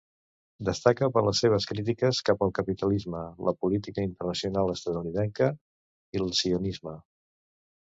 Destaca per les seves crítiques cap al capitalisme, la política internacional estatunidenca i el sionisme.